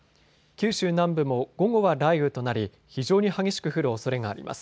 九州南部も午後は雷雨となり、非常に激しく降るおそれがあります。